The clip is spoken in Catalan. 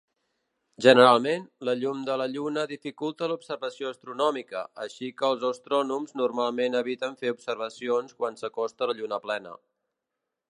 Generalment, la llum de la lluna dificulta l'observació astronòmica, així que els astrònoms normalment eviten fer observacions quan s'acosta la lluna plena.